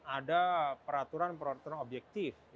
ada peraturan peraturan objektif